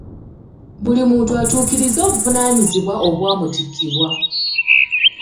Buli muntu atuukirize obuvunaanyizibwa obwamutikkibwa.